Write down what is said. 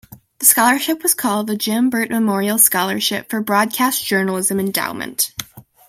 The scholarship was called the Jim Burt Memorial Scholarship for Broadcast Journalism Endowment.